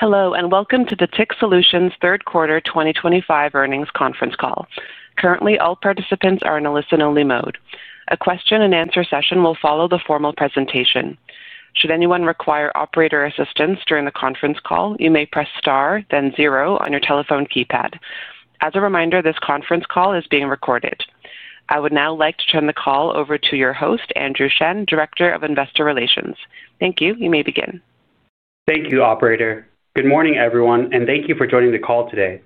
Hello, and welcome to the Acuren Third Quarter 2025 earnings conference call. Currently, all participants are in a listen-only mode. A question-and-answer session will follow the formal presentation. Should anyone require operator assistance during the conference call, you may press star, then zero on your telephone keypad. As a reminder, this conference call is being recorded. I would now like to turn the call over to your host, Andrew Shen, Director of Investor Relations. Thank you. You may begin. Thank you, Operator. Good morning, everyone, and thank you for joining the call today.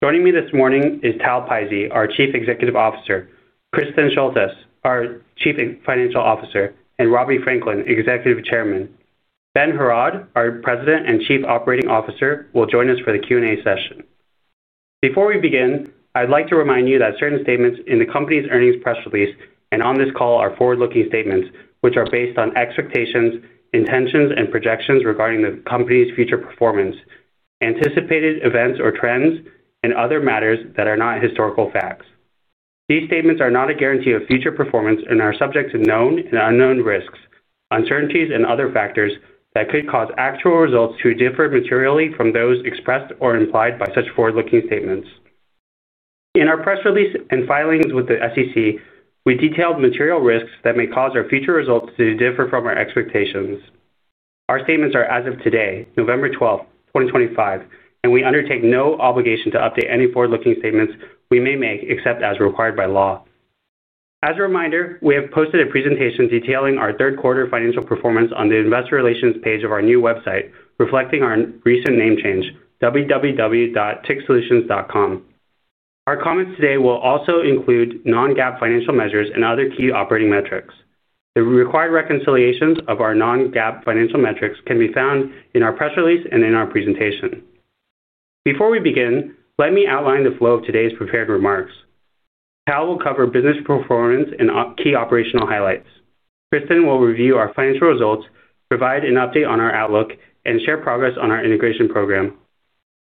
Joining me this morning is Tal Pizzey, our Chief Executive Officer; Kristin Schultes, our Chief Financial Officer; and Robby Franklin, Executive Chairman. Ben Heraud, our President and Chief Operating Officer, will join us for the Q&A session. Before we begin, I'd like to remind you that certain statements in the company's earnings press release and on this call are forward-looking statements, which are based on expectations, intentions, and projections regarding the company's future performance, anticipated events or trends, and other matters that are not historical facts. These statements are not a guarantee of future performance and are subject to known and unknown risks, uncertainties, and other factors that could cause actual results to differ materially from those expressed or implied by such forward-looking statements. In our press release and filings with the SEC, we detailed material risks that may cause our future results to differ from our expectations. Our statements are as of today, November 12th, 2025, and we undertake no obligation to update any forward-looking statements we may make except as required by law. As a reminder, we have posted a presentation detailing our third quarter financial performance on the Investor Relations page of our new website, reflecting our recent name change: www.acuren.com. Our comments today will also include non-GAAP financial measures and other key operating metrics. The required reconciliations of our non-GAAP financial metrics can be found in our press release and in our presentation. Before we begin, let me outline the flow of today's prepared remarks. Tal will cover business performance and key operational highlights. Kristin will review our financial results, provide an update on our outlook, and share progress on our integration program.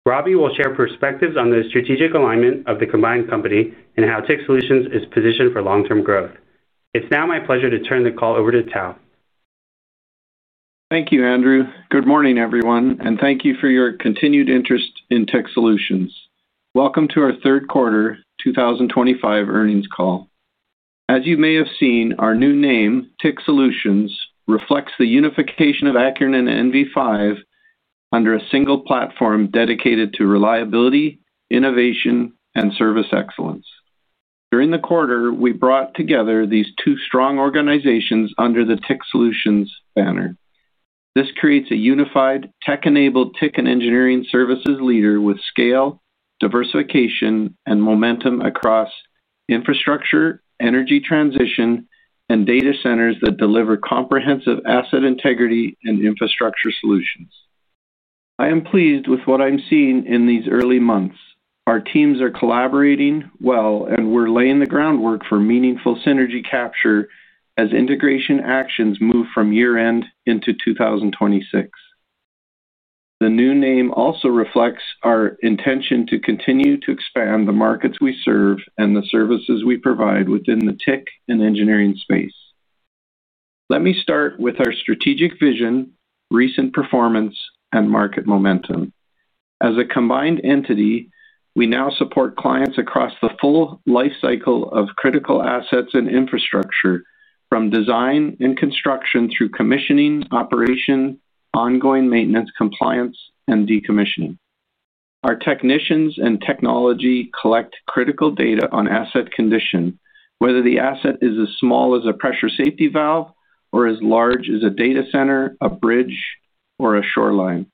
Robby will share perspectives on the strategic alignment of the combined company and how Acuren is positioned for long-term growth. It's now my pleasure to turn the call over to Tal. Thank you, Andrew. Good morning, everyone, and thank you for your continued interest in TIC Solutions. Welcome to our third quarter 2025 earnings call. As you may have seen, our new name, TIC Solutions, reflects the unification of Acuren and NV5 under a single platform dedicated to reliability, innovation, and service excellence. During the quarter, we brought together these two strong organizations under the TIC Solutions banner. This creates a unified, tech-enabled testing and engineering services leader with scale, diversification, and momentum across infrastructure, energy transition, and data centers that deliver comprehensive asset integrity and infrastructure solutions. I am pleased with what I'm seeing in these early months. Our teams are collaborating well, and we're laying the groundwork for meaningful synergy capture as integration actions move from year-end into 2026. The new name also reflects our intention to continue to expand the markets we serve and the services we provide within the TIC and engineering space. Let me start with our strategic vision, recent performance, and market momentum. As a combined entity, we now support clients across the full lifecycle of critical assets and infrastructure, from design and construction through commissioning, operation, ongoing maintenance, compliance, and decommissioning. Our technicians and technology collect critical data on asset condition, whether the asset is as small as a pressure safety valve or as large as a data center, a bridge, or a shoreline.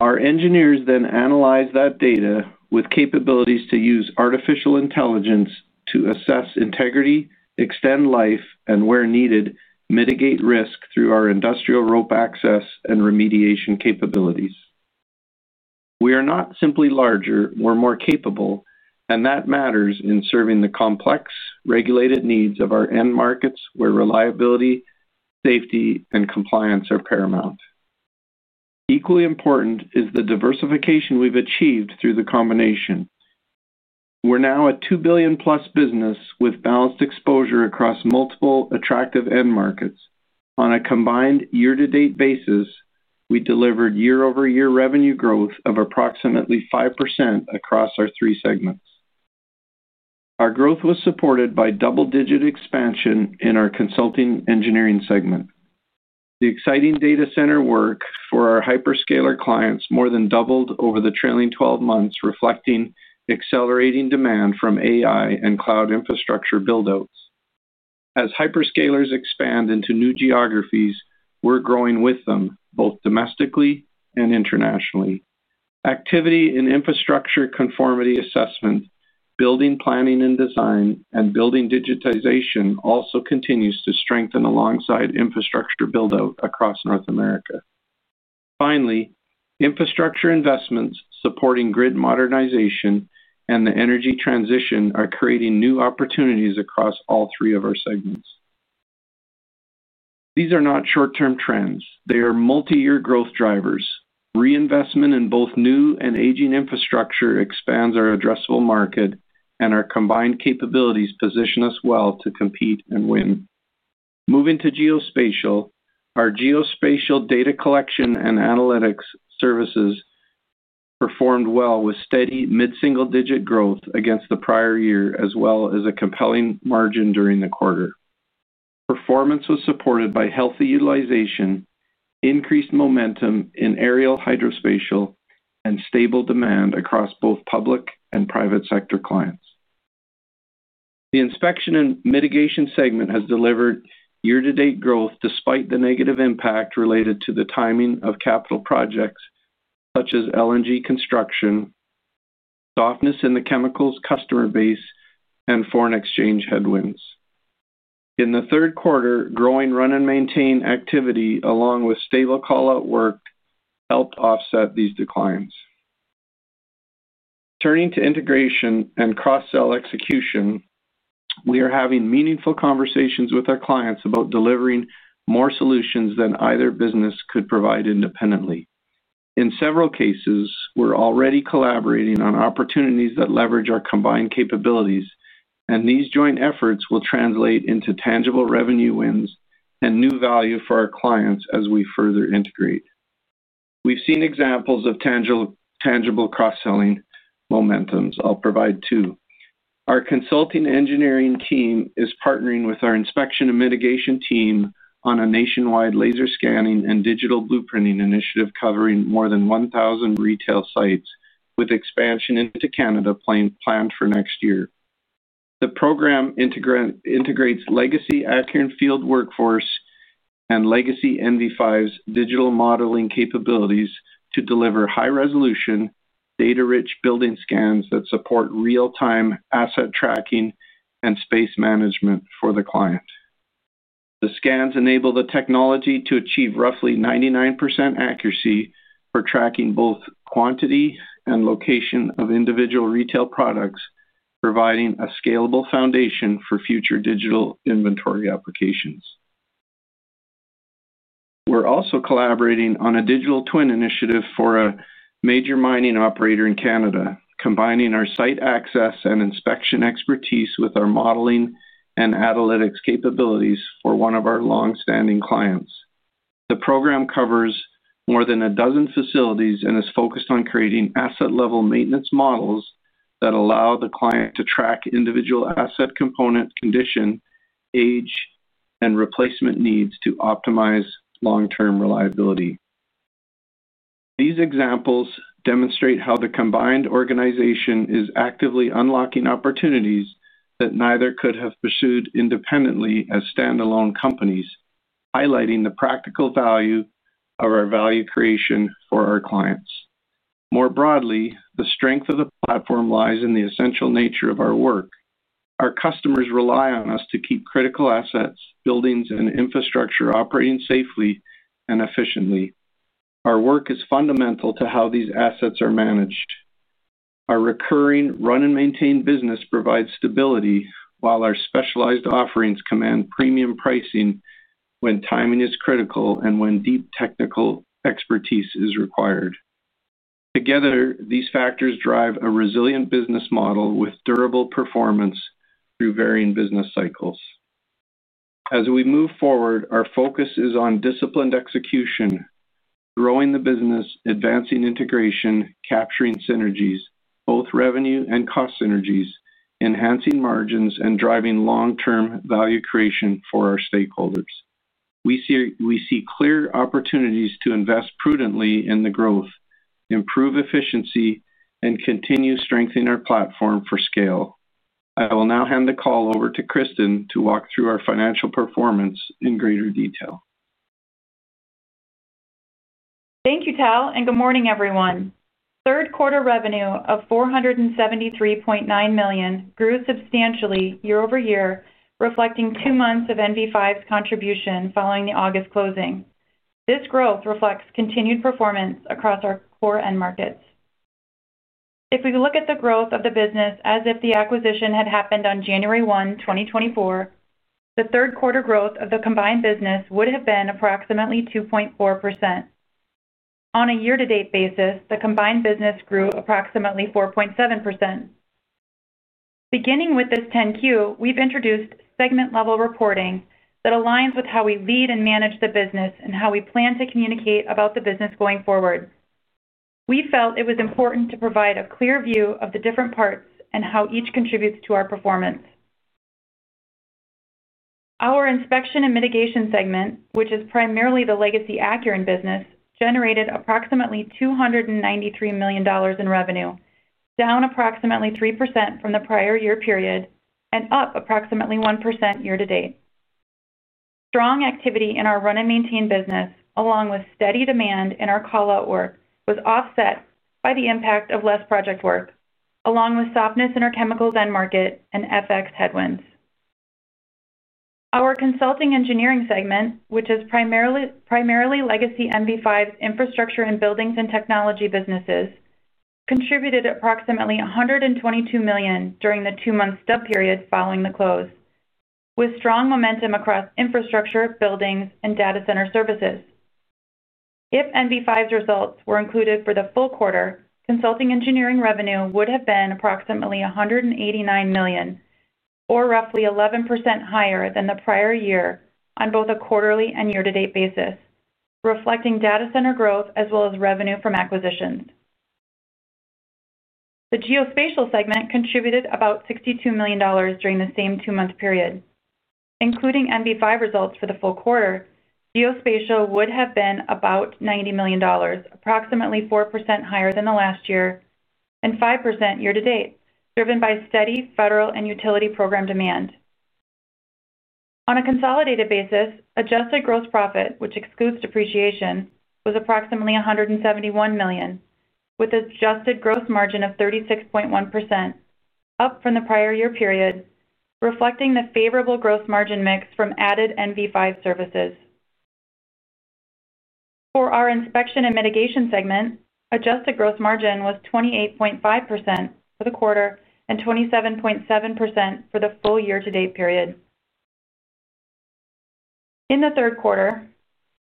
Our engineers then analyze that data with capabilities to use artificial intelligence to assess integrity, extend life, and where needed, mitigate risk through our industrial rope access and remediation capabilities. We are not simply larger, we're more capable, and that matters in serving the complex regulated needs of our end markets where reliability, safety, and compliance are paramount. Equally important is the diversification we've achieved through the combination. We're now a $2 billion+business with balanced exposure across multiple attractive end markets. On a combined year-to-date basis, we delivered year-over-year revenue growth of approximately 5% across our three segments. Our growth was supported by double-digit expansion in our consulting engineering segment. The exciting data center work for our hyperscaler clients more than doubled over the trailing 12 months, reflecting accelerating demand from AI and cloud infrastructure buildouts. As hyperscalers expand into new geographies, we're growing with them, both domestically and internationally. Activity in infrastructure conformity assessment, building planning and design, and building digitization also continues to strengthen alongside infrastructure buildout across North America. Finally, infrastructure investments supporting grid modernization and the energy transition are creating new opportunities across all three of our segments. These are not short-term trends. They are multi-year growth drivers. Reinvestment in both new and aging infrastructure expands our addressable market, and our combined capabilities position us well to compete and win. Moving to geospatial, our geospatial data collection and analytics services performed well with steady mid-single-digit growth against the prior year, as well as a compelling margin during the quarter. Performance was supported by healthy utilization, increased momentum in aerial hydrospatial, and stable demand across both public and private sector clients. The inspection and mitigation segment has delivered year-to-date growth despite the negative impact related to the timing of capital projects such as LNG construction, softness in the chemicals customer base, and foreign exchange headwinds. In the third quarter, growing run and maintain activity along with stable callout work helped offset these declines. Turning to integration and cross-sell execution, we are having meaningful conversations with our clients about delivering more solutions than either business could provide independently. In several cases, we're already collaborating on opportunities that leverage our combined capabilities, and these joint efforts will translate into tangible revenue wins and new value for our clients as we further integrate. We've seen examples of tangible cross-selling momentum. I'll provide two. Our consulting engineering team is partnering with our inspection and mitigation team on a nationwide laser scanning and digital blueprinting initiative covering more than 1,000 retail sites, with expansion into Canada planned for next year. The program integrates legacy Acuren field workforce and legacy NV5's digital modeling capabilities to deliver high-resolution, data-rich building scans that support real-time asset tracking and space management for the client. The scans enable the technology to achieve roughly 99% accuracy for tracking both quantity and location of individual retail products, providing a scalable foundation for future digital inventory applications. We're also collaborating on a digital twin initiative for a major mining operator in Canada, combining our site access and inspection expertise with our modeling and analytics capabilities for one of our long-standing clients. The program covers more than a dozen facilities and is focused on creating asset-level maintenance models that allow the client to track individual asset component condition, age, and replacement needs to optimize long-term reliability. These examples demonstrate how the combined organization is actively unlocking opportunities that neither could have pursued independently as standalone companies, highlighting the practical value of our value creation for our clients. More broadly, the strength of the platform lies in the essential nature of our work. Our customers rely on us to keep critical assets, buildings, and infrastructure operating safely and efficiently. Our work is fundamental to how these assets are managed. Our recurring run and maintain business provides stability while our specialized offerings command premium pricing when timing is critical and when deep technical expertise is required. Together, these factors drive a resilient business model with durable performance through varying business cycles. As we move forward, our focus is on disciplined execution, growing the business, advancing integration, capturing synergies, both revenue and cost synergies, enhancing margins, and driving long-term value creation for our stakeholders. We see clear opportunities to invest prudently in the growth, improve efficiency, and continue strengthening our platform for scale. I will now hand the call over to Kristin to walk through our financial performance in greater detail. Thank you, Tal, and good morning, everyone. Third quarter revenue of $473.9 million grew substantially year-over-year, reflecting two months of NV5's contribution following the August closing. This growth reflects continued performance across our core end markets. If we look at the growth of the business as if the acquisition had happened on January 1, 2024, the third quarter growth of the combined business would have been approximately 2.4%. On a year-to-date basis, the combined business grew approximately 4.7%. Beginning with this 10Q, we've introduced segment-level reporting that aligns with how we lead and manage the business and how we plan to communicate about the business going forward. We felt it was important to provide a clear view of the different parts and how each contributes to our performance. Our inspection and mitigation segment, which is primarily the legacy Acuren business, generated approximately $293 million in revenue, down approximately 3% from the prior year period and up approximately 1% year-to-date. Strong activity in our run and maintain business, along with steady demand in our callout work, was offset by the impact of less project work, along with softness in our chemicals end market and FX headwinds. Our consulting engineering segment, which is primarily legacy NV5's infrastructure and buildings and technology businesses, contributed approximately $122 million during the two-month sub-period following the close, with strong momentum across infrastructure, buildings, and data center services. If NV5's results were included for the full quarter, consulting engineering revenue would have been approximately $189 million, or roughly 11% higher than the prior year on both a quarterly and year-to-date basis, reflecting data center growth as well as revenue from acquisitions. The geospatial segment contributed about $62 million during the same two-month period. Including NV5 results for the full quarter, geospatial would have been about $90 million, approximately 4% higher than the last year and 5% year-to-date, driven by steady federal and utility program demand. On a consolidated basis, adjusted gross profit, which excludes depreciation, was approximately $171 million, with an adjusted gross margin of 36.1%, up from the prior year period, reflecting the favorable gross margin mix from added NV5 services. For our inspection and mitigation segment, adjusted gross margin was 28.5% for the quarter and 27.7% for the full year-to-date period. In the third quarter,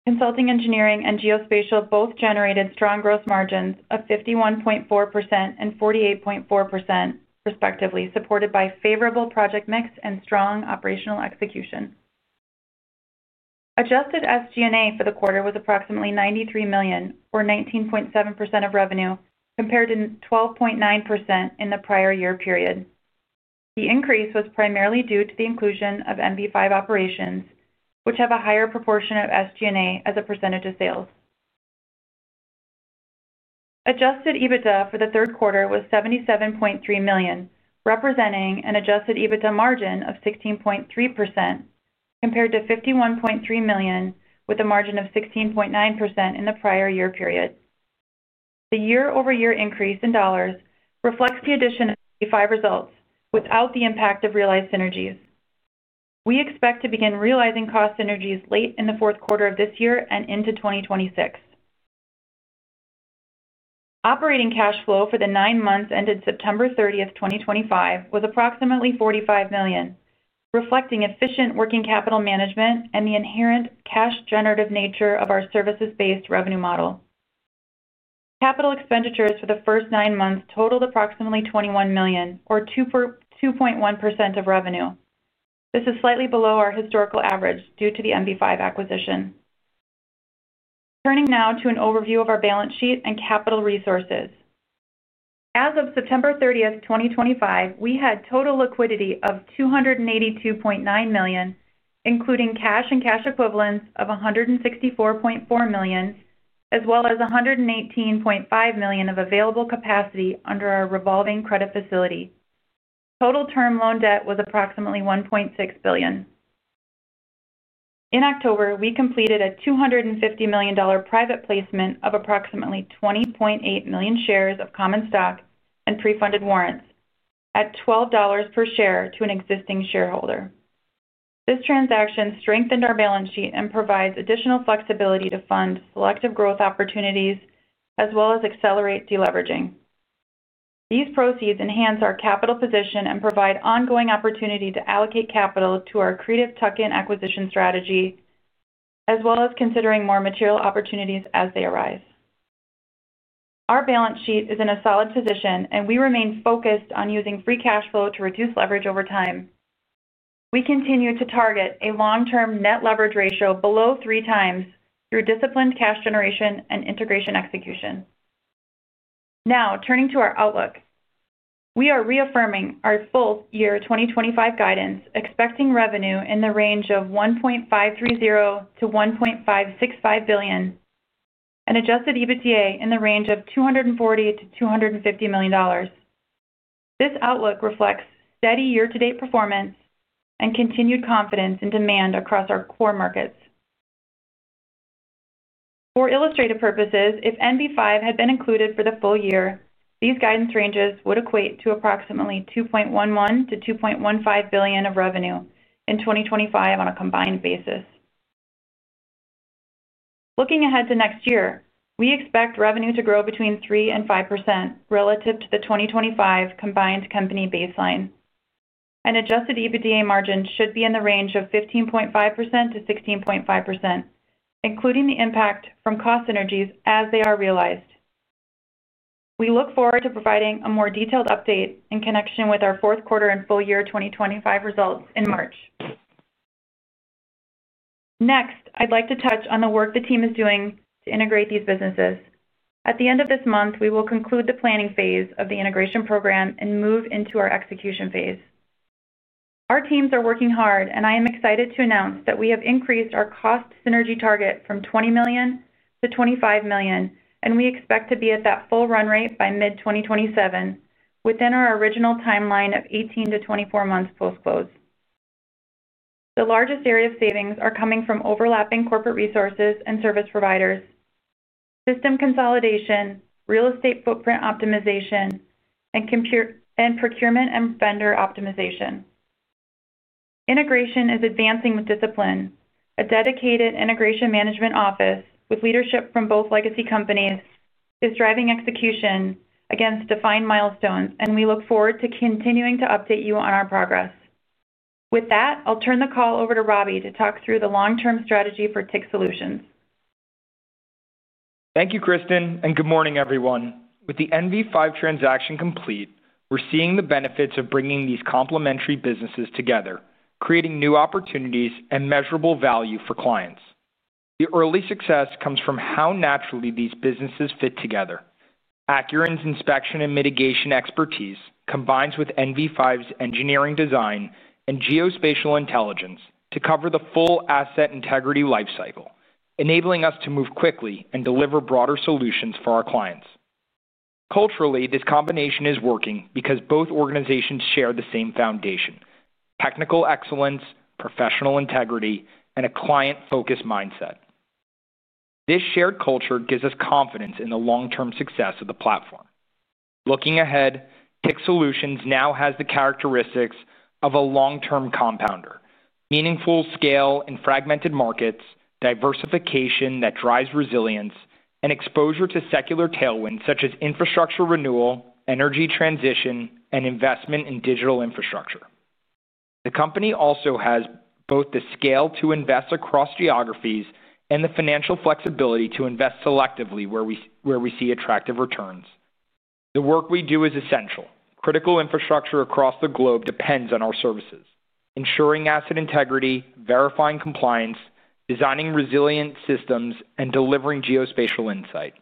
consulting engineering and geospatial both generated strong gross margins of 51.4% and 48.4%, respectively, supported by favorable project mix and strong operational execution. Adjusted SG&A for the quarter was approximately $93 million, or 19.7% of revenue, compared to 12.9% in the prior year period. The increase was primarily due to the inclusion of NV5 operations, which have a higher proportion of SG&A as a percentage of sales. Adjusted EBITDA for the third quarter was $77.3 million, representing an adjusted EBITDA margin of 16.3%, compared to $51.3 million with a margin of 16.9% in the prior year period. The year-over-year increase in dollars reflects the addition of NV5 results without the impact of realized synergies. We expect to begin realizing cost synergies late in the fourth quarter of this year and into 2026. Operating cash flow for the nine months ended September 30, 2025, was approximately $45 million, reflecting efficient working capital management and the inherent cash-generative nature of our services-based revenue model. Capital expenditures for the first nine months totaled approximately $21 million, or 2.1% of revenue. This is slightly below our historical average due to the NV5 acquisition. Turning now to an overview of our balance sheet and capital resources. As of September 30, 2025, we had total liquidity of $282.9 million, including cash and cash equivalents of $164.4 million, as well as $118.5 million of available capacity under our revolving credit facility. Total term loan debt was approximately $1.6 billion. In October, we completed a $250 million private placement of approximately 20.8 million shares of common stock and pre-funded warrants at $12 per share to an existing shareholder. This transaction strengthened our balance sheet and provides additional flexibility to fund selective growth opportunities as well as accelerate deleveraging. These proceeds enhance our capital position and provide ongoing opportunity to allocate capital to our creative tuck-in acquisition strategy, as well as considering more material opportunities as they arise. Our balance sheet is in a solid position, and we remain focused on using free cash flow to reduce leverage over time. We continue to target a long-term net leverage ratio below 3x through disciplined cash generation and integration execution. Now, turning to our outlook, we are reaffirming our full year 2025 guidance, expecting revenue in the range of $1.530 billion-$1.565 billion and adjusted EBITDA in the range of $240 million-$250 million. This outlook reflects steady year-to-date performance and continued confidence in demand across our core markets. For illustrative purposes, if NV5 had been included for the full year, these guidance ranges would equate to approximately $2.11 billion-$2.15 billion of revenue in 2025 on a combined basis. Looking ahead to next year, we expect revenue to grow between 3%-5% relative to the 2025 combined company baseline. An adjusted EBITDA margin should be in the range of 15.5%-16.5%, including the impact from cost synergies as they are realized. We look forward to providing a more detailed update in connection with our fourth quarter and full year 2025 results in March. Next, I'd like to touch on the work the team is doing to integrate these businesses. At the end of this month, we will conclude the planning phase of the integration program and move into our execution phase. Our teams are working hard, and I am excited to announce that we have increased our cost synergy target from $20 million-$25 million, and we expect to be at that full run rate by mid-2027 within our original timeline of 18-24 months post-close. The largest area of savings are coming from overlapping corporate resources and service providers: system consolidation, real estate footprint optimization, and procurement and vendor optimization. Integration is advancing with discipline. A dedicated integration management office with leadership from both legacy companies is driving execution against defined milestones, and we look forward to continuing to update you on our progress. With that, I'll turn the call over to Robby to talk through the long-term strategy for Acuren. Thank you, Kristin, and good morning, everyone. With the NV5 transaction complete, we're seeing the benefits of bringing these complementary businesses together, creating new opportunities and measurable value for clients. The early success comes from how naturally these businesses fit together. Acuren's inspection and mitigation expertise combines with NV5's engineering design and geospatial intelligence to cover the full asset integrity lifecycle, enabling us to move quickly and deliver broader solutions for our clients. Culturally, this combination is working because both organizations share the same foundation: technical excellence, professional integrity, and a client-focused mindset. This shared culture gives us confidence in the long-term success of the platform. Looking ahead, TIC Solutions now has the characteristics of a long-term compounder: meaningful scale in fragmented markets, diversification that drives resilience, and exposure to secular tailwinds such as infrastructure renewal, energy transition, and investment in digital infrastructure. The company also has both the scale to invest across geographies and the financial flexibility to invest selectively where we see attractive returns. The work we do is essential. Critical infrastructure across the globe depends on our services: ensuring asset integrity, verifying compliance, designing resilient systems, and delivering geospatial insight.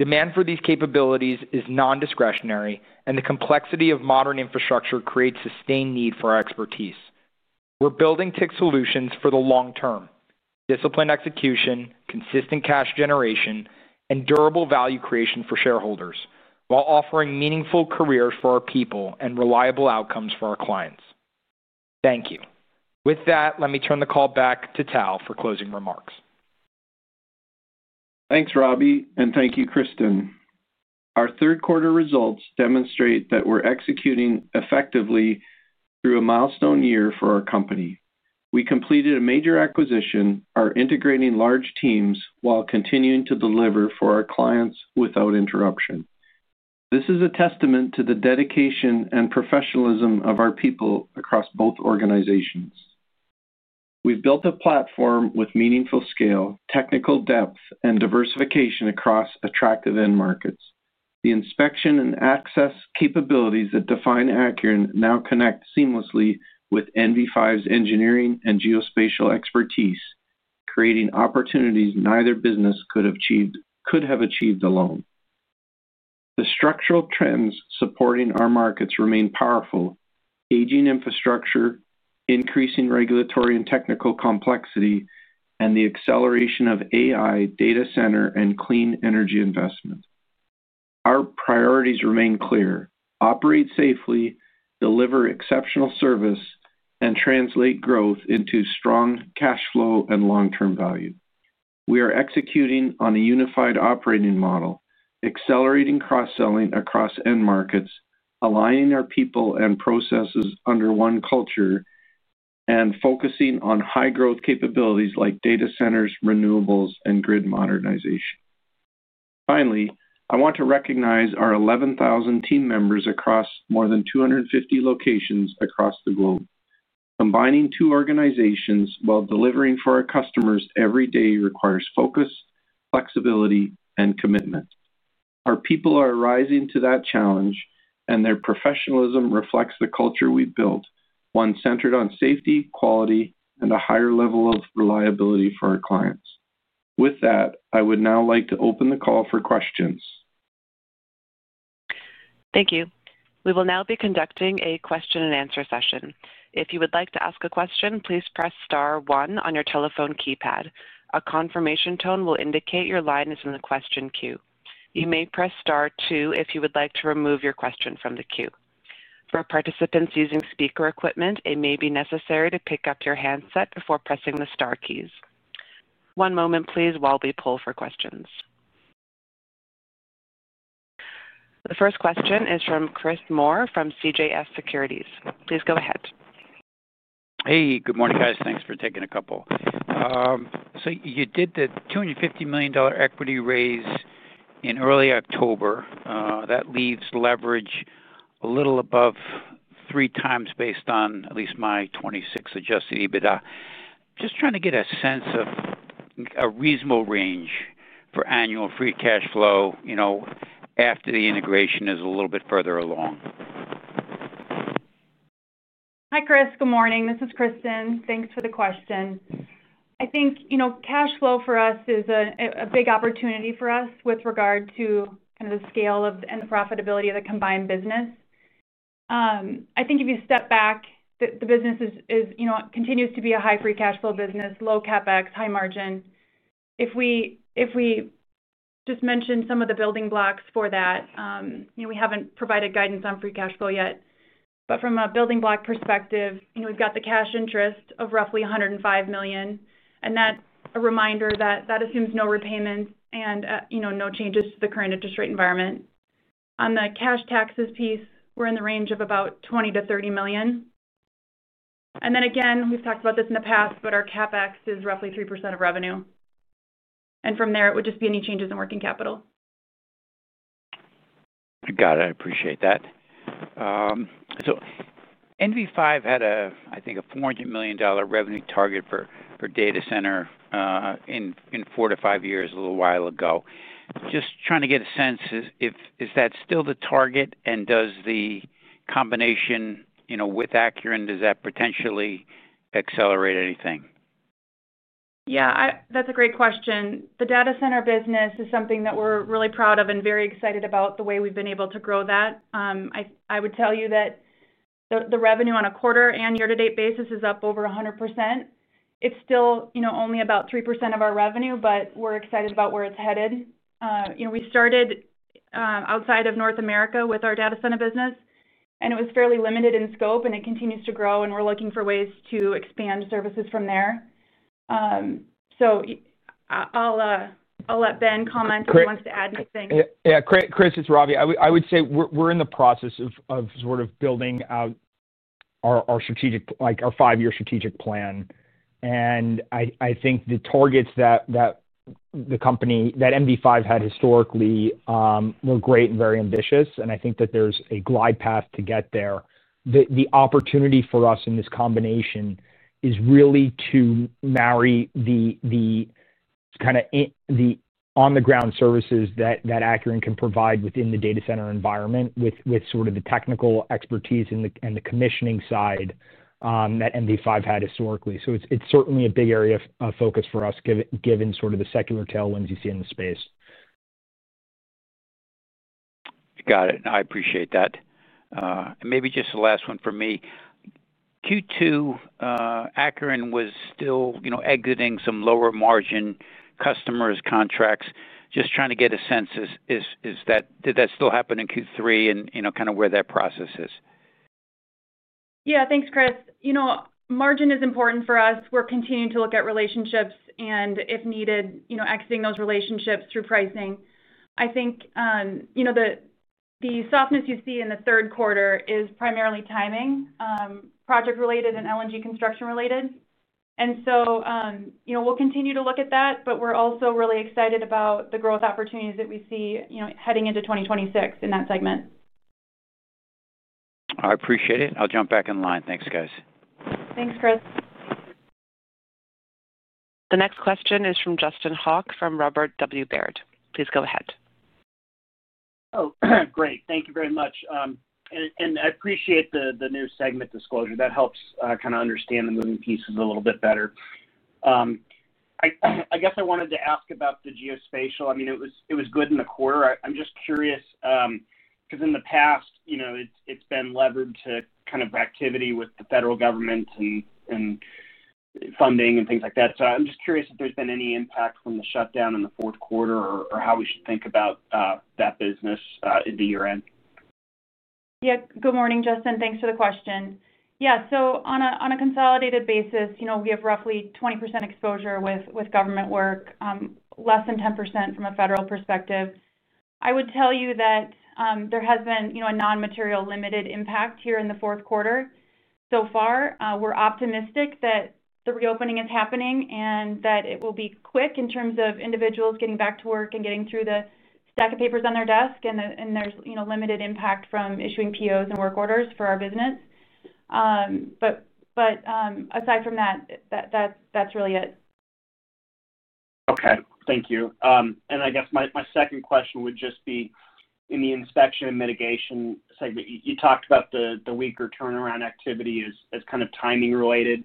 Demand for these capabilities is non-discretionary, and the complexity of modern infrastructure creates a sustained need for our expertise. We're building Acuren for the long term: disciplined execution, consistent cash generation, and durable value creation for shareholders, while offering meaningful careers for our people and reliable outcomes for our clients. Thank you. With that, let me turn the call back to Tal for closing remarks. Thanks, Robby, and thank you, Kristin. Our third quarter results demonstrate that we're executing effectively through a milestone year for our company. We completed a major acquisition, integrating large teams while continuing to deliver for our clients without interruption. This is a testament to the dedication and professionalism of our people across both organizations. We've built a platform with meaningful scale, technical depth, and diversification across attractive end markets. The inspection and access capabilities that define Acuren now connect seamlessly with NV5's engineering and geospatial expertise, creating opportunities neither business could have achieved alone. The structural trends supporting our markets remain powerful: aging infrastructure, increasing regulatory and technical complexity, and the acceleration of AI data center and clean energy investment. Our priorities remain clear: operate safely, deliver exceptional service, and translate growth into strong cash flow and long-term value. We are executing on a unified operating model, accelerating cross-selling across end markets, aligning our people and processes under one culture, and focusing on high-growth capabilities like data centers, renewables, and grid modernization. Finally, I want to recognize our 11,000 team members across more than 250 locations across the globe. Combining two organizations while delivering for our customers every day requires focus, flexibility, and commitment. Our people are rising to that challenge, and their professionalism reflects the culture we've built, one centered on safety, quality, and a higher level of reliability for our clients. With that, I would now like to open the call for questions. Thank you. We will now be conducting a question-and-answer session. If you would like to ask a question, please press star one on your telephone keypad. A confirmation tone will indicate your line is in the question queue. You may press star two if you would like to remove your question from the queue. For participants using speaker equipment, it may be necessary to pick up your handset before pressing the star keys. One moment, please, while we pull for questions. The first question is from Chris Moore from CJS Securities. Please go ahead. Hey, good morning, guys. Thanks for taking a couple. You did the $250 million equity raise in early October. That leaves leverage a little above 3x based on at least my 2026 adjusted EBITDA. Just trying to get a sense of a reasonable range for annual free cash flow after the integration is a little bit further along. Hi, Chris. Good morning. This is Kristin. Thanks for the question. I think cash flow for us is a big opportunity for us with regard to kind of the scale and the profitability of the combined business. I think if you step back, the business continues to be a high-free cash flow business, low CapEx, high margin. If we just mention some of the building blocks for that, we have not provided guidance on free cash flow yet. From a building block perspective, we have the cash interest of roughly $105 million, and that is a reminder that that assumes no repayments and no changes to the current interest rate environment. On the cash taxes piece, we are in the range of about $20 million-$30 million. We have talked about this in the past, but our CapEx is roughly 3% of revenue. From there, it would just be any changes in working capital. Got it. I appreciate that. NV5 had a, I think, a $400 million revenue target for data center in four to five years a little while ago. Just trying to get a sense if that's still the target and does the combination with Acuren, does that potentially accelerate anything? Yeah, that's a great question. The data center business is something that we're really proud of and very excited about the way we've been able to grow that. I would tell you that the revenue on a quarter and year-to-date basis is up over 100%. It's still only about 3% of our revenue, but we're excited about where it's headed. We started outside of North America with our data center business, and it was fairly limited in scope, and it continues to grow, and we're looking for ways to expand services from there. I'll let Ben comment if he wants to add anything. Yeah, Chris, it's Robby. I would say we're in the process of sort of building out our five-year strategic plan. I think the targets that the company that NV5 had historically were great and very ambitious, and I think that there's a glide path to get there. The opportunity for us in this combination is really to marry the kind of on-the-ground services that Acuren can provide within the data center environment with sort of the technical expertise and the commissioning side that NV5 had historically. It is certainly a big area of focus for us given sort of the secular tailwinds you see in the space. Got it. I appreciate that. Maybe just the last one for me. Q2, Acuren was still exiting some lower margin customers' contracts. Just trying to get a sense: did that still happen in Q3 and kind of where that process is? Yeah, thanks, Chris. Margin is important for us. We're continuing to look at relationships and, if needed, exiting those relationships through pricing. I think the softness you see in the third quarter is primarily timing, project-related and LNG construction-related. We'll continue to look at that, but we're also really excited about the growth opportunities that we see heading into 2026 in that segment. I appreciate it. I'll jump back in line. Thanks, guys. Thanks, Chris. The next question is from Justin Hauke from Robert W. Baird. Please go ahead. Oh, great. Thank you very much. I appreciate the new segment disclosure. That helps kind of understand the moving pieces a little bit better. I guess I wanted to ask about the geospatial. I mean, it was good in the quarter. I'm just curious because in the past, it's been levered to kind of activity with the federal government and funding and things like that. I'm just curious if there's been any impact from the shutdown in the fourth quarter or how we should think about that business at the year-end. Yeah. Good morning, Justin. Thanks for the question. Yeah. On a consolidated basis, we have roughly 20% exposure with government work, less than 10% from a federal perspective. I would tell you that there has been a non-material limited impact here in the fourth quarter so far. We're optimistic that the reopening is happening and that it will be quick in terms of individuals getting back to work and getting through the stack of papers on their desk, and there's limited impact from issuing POs and work orders for our business. Aside from that, that's really it. Okay. Thank you. I guess my second question would just be in the inspection and mitigation segment, you talked about the weaker turnaround activity as kind of timing-related,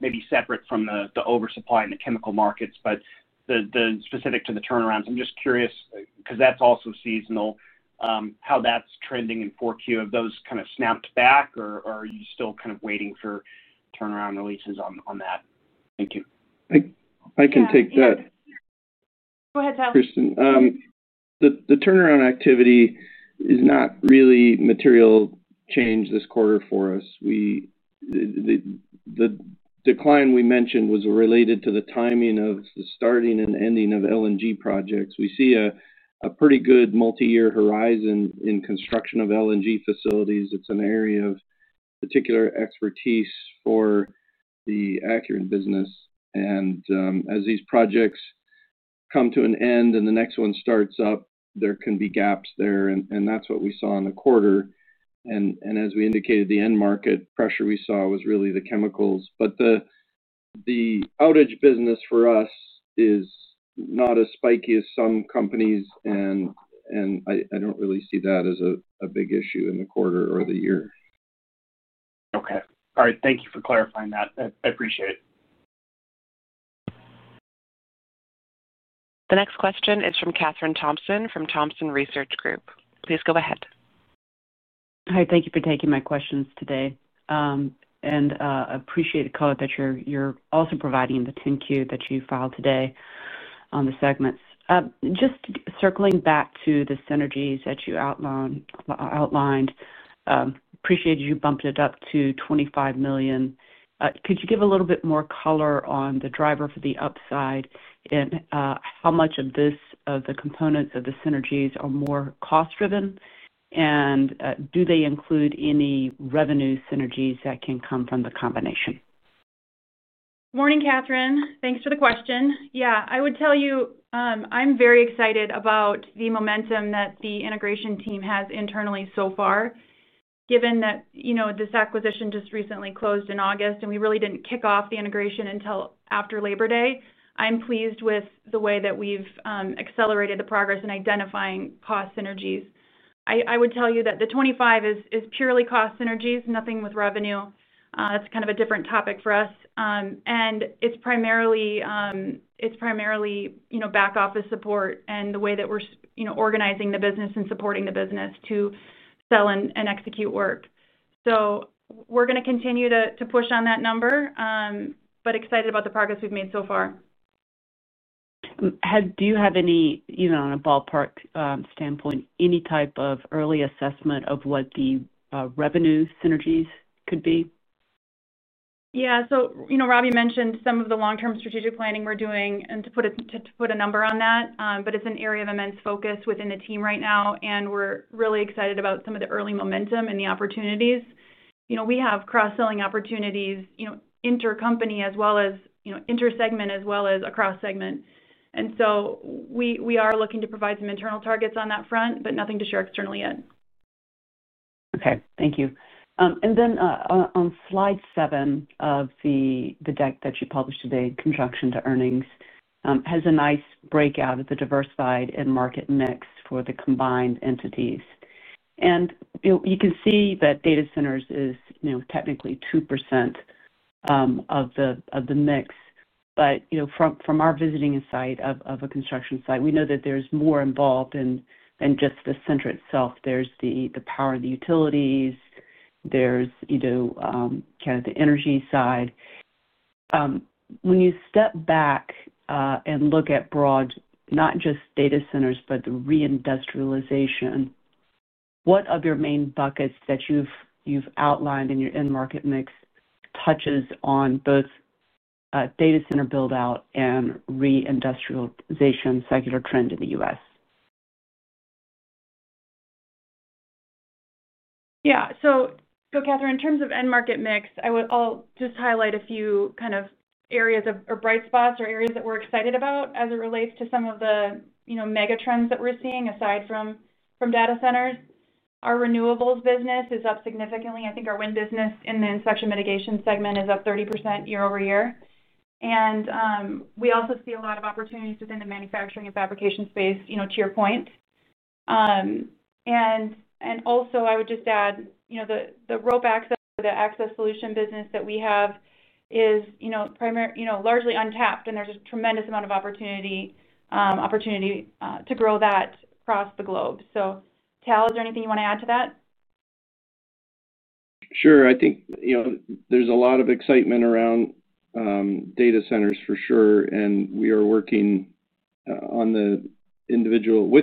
maybe separate from the oversupply in the chemical markets, but specific to the turnarounds. I'm just curious because that's also seasonal, how that's trending in fourth year. Have those kind of snapped back, or are you still kind of waiting for turnaround releases on that? Thank you. I can take that. Go ahead, Tal. Kristin, the turnaround activity is not really a material change this quarter for us. The decline we mentioned was related to the timing of the starting and ending of LNG projects. We see a pretty good multi-year horizon in construction of LNG facilities. It's an area of particular expertise for the Acuren business. As these projects come to an end and the next one starts up, there can be gaps there. That's what we saw in the quarter. As we indicated, the end market pressure we saw was really the chemicals. The outage business for us is not as spiky as some companies, and I don't really see that as a big issue in the quarter or the year. Okay. All right. Thank you for clarifying that. I appreciate it. The next question is from Kathryn Thompson from Thompson Research Group. Please go ahead. Hi. Thank you for taking my questions today. I appreciate the call that you're also providing the 10-Q that you filed today on the segments. Just circling back to the synergies that you outlined, appreciated you bumped it up to $25 million. Could you give a little bit more color on the driver for the upside and how much of the components of the synergies are more cost-driven, and do they include any revenue synergies that can come from the combination? Morning, Kathryn. Thanks for the question. Yeah, I would tell you I'm very excited about the momentum that the integration team has internally so far, given that this acquisition just recently closed in August, and we really didn't kick off the integration until after Labor Day. I'm pleased with the way that we've accelerated the progress in identifying cost synergies. I would tell you that the 25 is purely cost synergies, nothing with revenue. That's kind of a different topic for us. It's primarily back office support and the way that we're organizing the business and supporting the business to sell and execute work. We're going to continue to push on that number, but excited about the progress we've made so far. Do you have any, even on a ballpark standpoint, any type of early assessment of what the revenue synergies could be? Yeah. Robby mentioned some of the long-term strategic planning we're doing and to put a number on that, but it's an area of immense focus within the team right now, and we're really excited about some of the early momentum and the opportunities. We have cross-selling opportunities intercompany as well as intersegment as well as across segment. We are looking to provide some internal targets on that front, but nothing to share externally yet. Okay. Thank you. Then on slide seven of the deck that you published today in conjunction with earnings, it has a nice breakout of the diversified end market mix for the combined entities. You can see that data centers is technically 2% of the mix. From our visiting site of a construction site, we know that there is more involved than just the center itself. There is the power and the utilities. There is kind of the energy side. When you step back and look at broad, not just data centers, but the reindustrialization, which of your main buckets that you have outlined in your end market mix touches on both data center buildout and reindustrialization secular trend in the U.S.? Yeah. Katherine, in terms of end market mix, I'll just highlight a few kind of areas or bright spots or areas that we're excited about as it relates to some of the mega trends that we're seeing aside from data centers. Our renewables business is up significantly. I think our wind business in the inspection mitigation segment is up 30% year over year. We also see a lot of opportunities within the manufacturing and fabrication space to your point. I would just add the rope access or the access solution business that we have is largely untapped, and there's a tremendous amount of opportunity to grow that across the globe. Tal, is there anything you want to add to that? Sure. I think there's a lot of excitement around data centers for sure, and we are working with the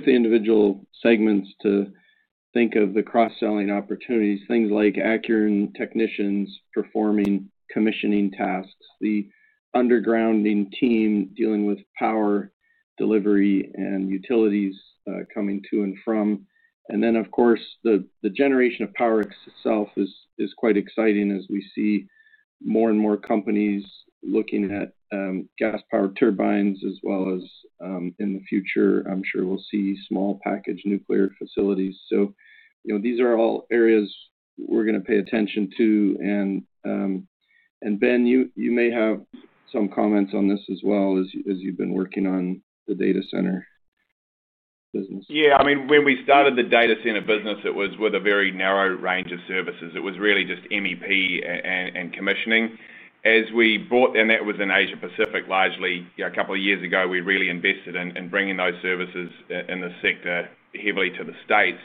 individual segments to think of the cross-selling opportunities, things like Acuren technicians performing commissioning tasks, the undergrounding team dealing with power delivery and utilities coming to and from. The generation of power itself is quite exciting as we see more and more companies looking at gas-powered turbines as well as in the future, I'm sure we'll see small package nuclear facilities. These are all areas we're going to pay attention to. Ben, you may have some comments on this as well as you've been working on the data center business. Yeah. I mean, when we started the data center business, it was with a very narrow range of services. It was really just MEP and commissioning. As we bought, and that was in Asia-Pacific largely, a couple of years ago, we really invested in bringing those services in the sector heavily to the States.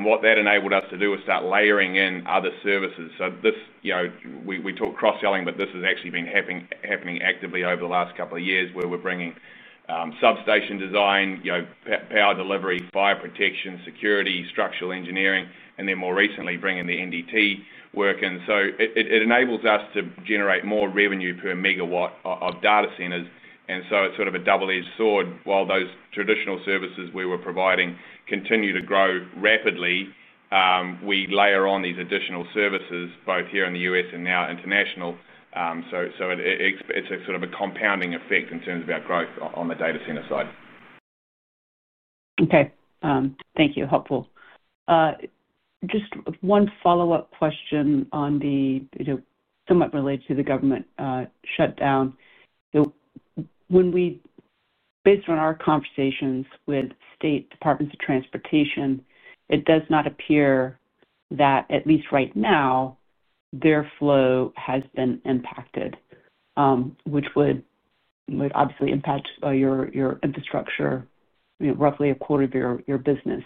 What that enabled us to do was start layering in other services. We talk cross-selling, but this has actually been happening actively over the last couple of years where we're bringing substation design, power delivery, fire protection, security, structural engineering, and then more recently bringing the NDT work in. It enables us to generate more revenue per megawatt of data centers. It is sort of a double-edged sword. While those traditional services we were providing continue to grow rapidly, we layer on these additional services both here in the U.S. and now international. It is sort of a compounding effect in terms of our growth on the data center side. Okay. Thank you. Helpful. Just one follow-up question on the somewhat related to the government shutdown. Based on our conversations with state departments of transportation, it does not appear that, at least right now, their flow has been impacted, which would obviously impact your infrastructure, roughly a quarter of your business.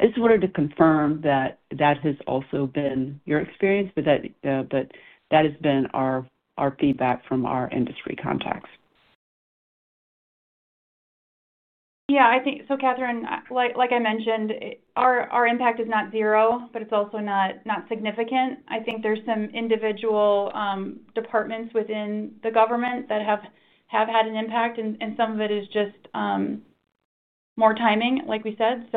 I just wanted to confirm that that has also been your experience, but that has been our feedback from our industry contacts. Yeah. Katherine, like I mentioned, our impact is not zero, but it's also not significant. I think there's some individual departments within the government that have had an impact, and some of it is just more timing, like we said.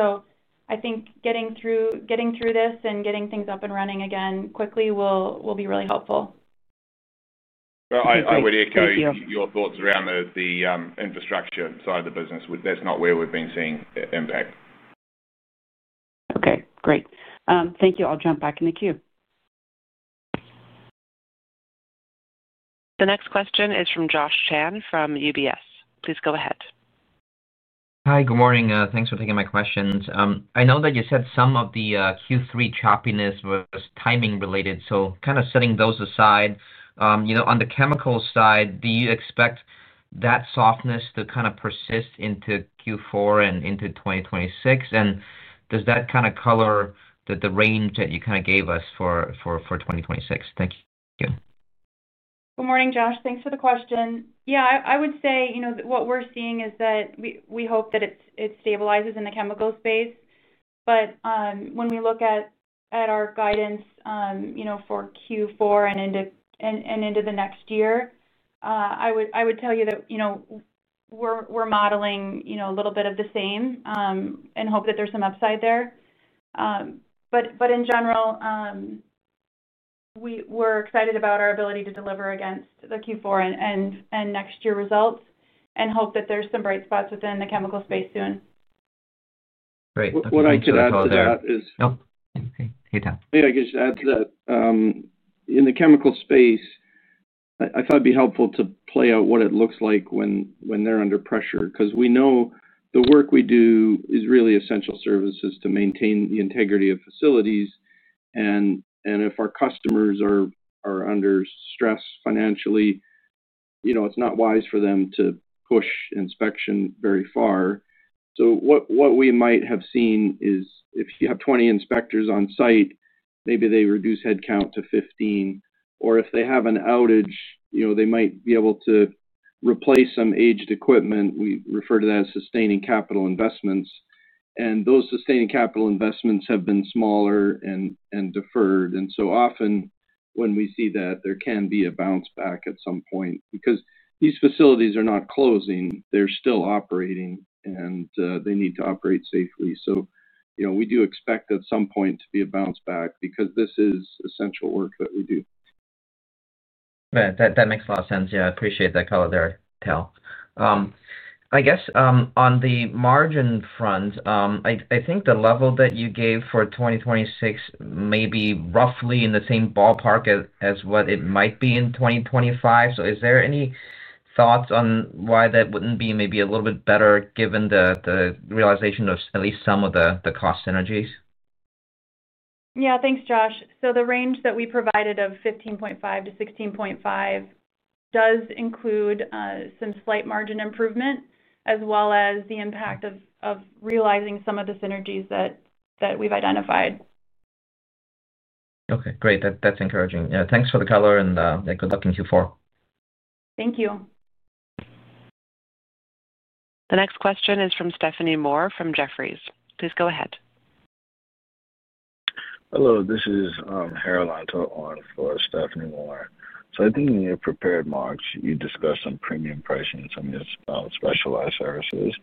I think getting through this and getting things up and running again quickly will be really helpful. I would echo your thoughts around the infrastructure side of the business. That's not where we've been seeing impact. Okay. Great. Thank you. I'll jump back in the queue. The next question is from Josh Chan from UBS. Please go ahead. Hi. Good morning. Thanks for taking my questions. I know that you said some of the Q3 choppiness was timing-related. Kind of setting those aside, on the chemical side, do you expect that softness to kind of persist into Q4 and into 2026? Does that kind of color the range that you kind of gave us for 2026? Thank you. Good morning, Josh. Thanks for the question. Yeah. I would say what we're seeing is that we hope that it stabilizes in the chemical space. When we look at our guidance for Q4 and into the next year, I would tell you that we're modeling a little bit of the same and hope that there's some upside there. In general, we're excited about our ability to deliver against the Q4 and next year results and hope that there's some bright spots within the chemical space soon. Great. What I could add to that is. Hey, Tal. Yeah. I guess I'd add to that. In the chemical space, I thought it'd be helpful to play out what it looks like when they're under pressure because we know the work we do is really essential services to maintain the integrity of facilities. If our customers are under stress financially, it's not wise for them to push inspection very far. What we might have seen is if you have 20 inspectors on site, maybe they reduce headcount to 15. If they have an outage, they might be able to replace some aged equipment. We refer to that as sustaining capital investments. Those sustaining capital investments have been smaller and deferred. Often when we see that, there can be a bounce back at some point because these facilities are not closing. They're still operating, and they need to operate safely. We do expect at some point to be a bounce back because this is essential work that we do. That makes a lot of sense. Yeah. I appreciate that color there, Tal. I guess on the margin front, I think the level that you gave for 2026 may be roughly in the same ballpark as what it might be in 2025. Is there any thoughts on why that would not be maybe a little bit better given the realization of at least some of the cost synergies? Yeah. Thanks, Josh. The range that we provided of $15.5-$16.5 does include some slight margin improvement as well as the impact of realizing some of the synergies that we've identified. Okay. Great. That's encouraging. Yeah. Thanks for the color, and good luck in Q4. Thank you. The next question is from Stephanie Moore from Jefferies. Please go ahead. Hello. This is Harold on for Stephanie Moore. I think in your prepared marks, you discussed some premium pricing and some specialized services.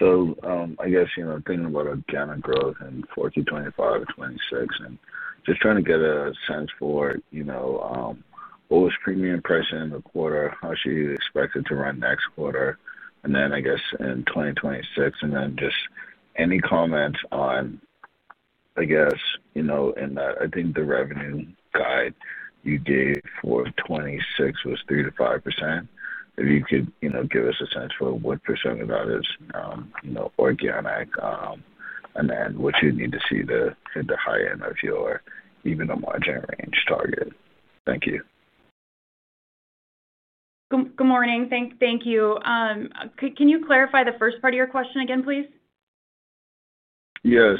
I guess thinking about organic growth in 2024, 2025, 2026, and just trying to get a sense for what was premium pricing in the quarter, how she expected to run next quarter, and then I guess in 2026, and then just any comments on, I guess, in that I think the revenue guide you gave for 2026 was 3%-5%. If you could give us a sense for what percent of that is organic and then what you need to see the high end of your EBITDA margin range target. Thank you. Good morning. Thank you. Can you clarify the first part of your question again, please? Yeah.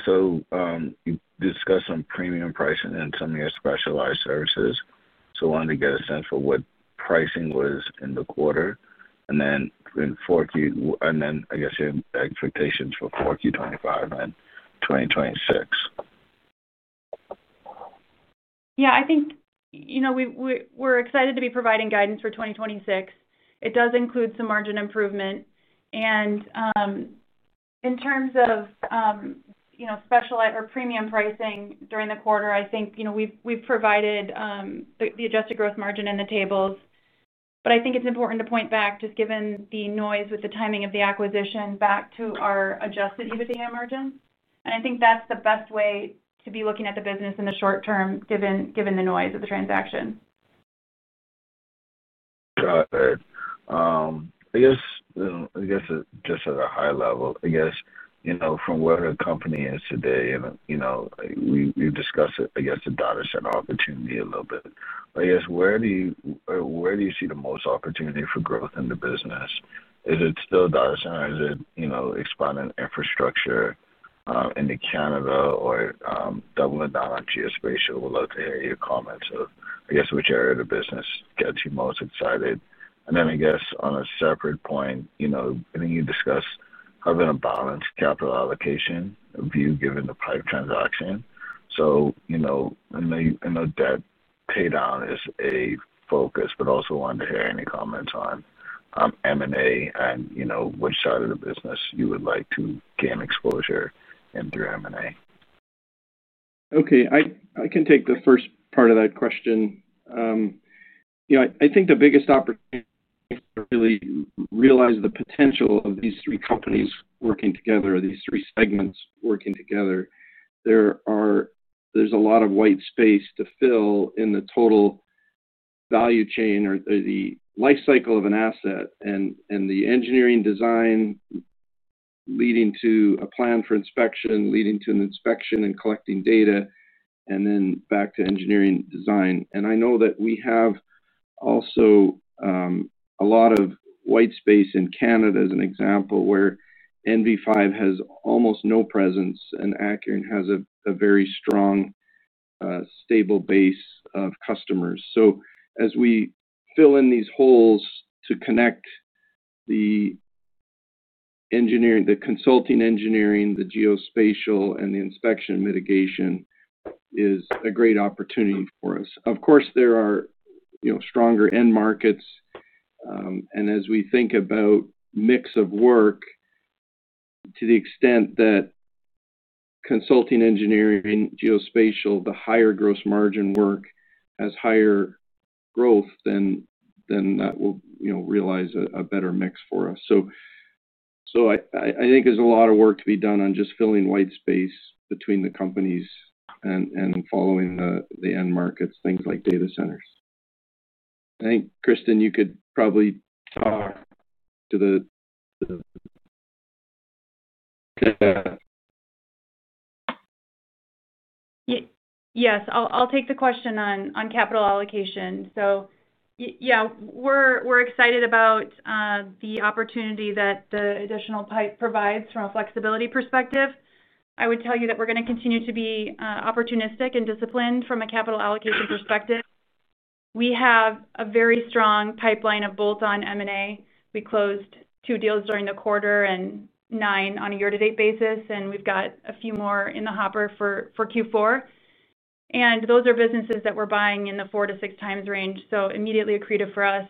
You discussed some premium pricing and some of your specialized services. I wanted to get a sense for what pricing was in the quarter and then I guess your expectations for 2024, 2025, and 2026. Yeah. I think we're excited to be providing guidance for 2026. It does include some margin improvement. In terms of specialized or premium pricing during the quarter, I think we've provided the adjusted gross margin in the tables. I think it's important to point back, just given the noise with the timing of the acquisition, back to our adjusted EBITDA margin. I think that's the best way to be looking at the business in the short term given the noise of the transaction. Got it. I guess just at a high level, I guess from where the company is today, we've discussed it, I guess, the data center opportunity a little bit. I guess where do you see the most opportunity for growth in the business? Is it still data center? Is it expanding infrastructure into Canada or doubling down on geospatial? We'd love to hear your comments of, I guess, which area of the business gets you most excited. Then I guess on a separate point, I think you discussed having a balanced capital allocation view given the pipe transaction. I know debt paydown is a focus, but also wanted to hear any comments on M&A and which side of the business you would like to gain exposure in through M&A. Okay. I can take the first part of that question. I think the biggest opportunity to really realize the potential of these three companies working together, these three segments working together, there's a lot of white space to fill in the total value chain or the life cycle of an asset and the engineering design leading to a plan for inspection, leading to an inspection and collecting data, and then back to engineering design. I know that we have also a lot of white space in Canada as an example where NV5 has almost no presence and Acuren has a very strong, stable base of customers. As we fill in these holes to connect the consulting engineering, the geospatial, and the inspection mitigation is a great opportunity for us. Of course, there are stronger end markets. As we think about mix of work, to the extent that consulting engineering, geospatial, the higher gross margin work has higher growth, that will realize a better mix for us. I think there is a lot of work to be done on just filling white space between the companies and following the end markets, things like data centers. I think, Kristin, you could probably talk to the. Yes. I'll take the question on capital allocation. Yeah, we're excited about the opportunity that the additional pipe provides from a flexibility perspective. I would tell you that we're going to continue to be opportunistic and disciplined from a capital allocation perspective. We have a very strong pipeline of bolt-on M&A. We closed two deals during the quarter and nine on a year-to-date basis, and we've got a few more in the hopper for Q4. Those are businesses that we're buying in the 4x-6x range, so immediately accretive for us.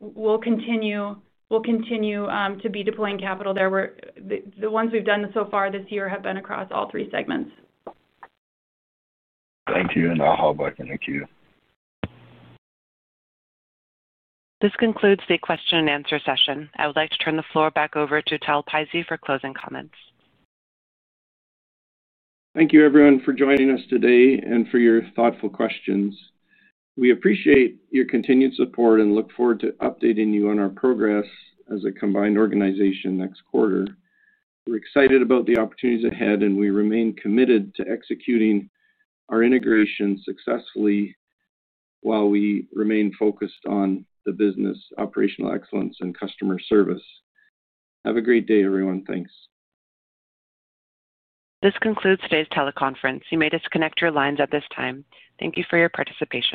We'll continue to be deploying capital there. The ones we've done so far this year have been across all three segments. Thank you. I'll hop back in the queue. This concludes the question-and-answer session. I would like to turn the floor back over to Talman Pizzey for closing comments. Thank you, everyone, for joining us today and for your thoughtful questions. We appreciate your continued support and look forward to updating you on our progress as a combined organization next quarter. We're excited about the opportunities ahead, and we remain committed to executing our integration successfully while we remain focused on the business, operational excellence, and customer service. Have a great day, everyone. Thanks. This concludes today's teleconference. You may disconnect your lines at this time. Thank you for your participation.